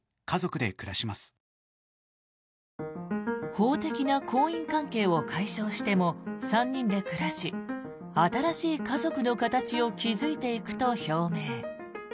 法的な婚姻関係を解消しても３人で暮らし新しい家族の形を築いていくと表明。